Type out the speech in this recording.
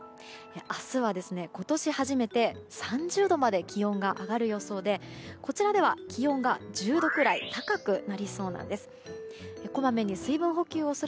明日は今年初めて３０度まで気温が上がる予想でこちらでは気温が１０度くらい高くなりそうなんです。